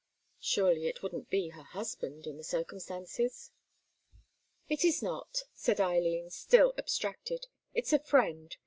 (Surely it wouldn't be her husband, in the circumstances?) "It is not," said Eileen, still abstracted. "It's a friend.